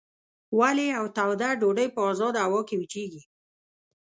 ولې یوه توده ډوډۍ په ازاده هوا کې وچیږي؟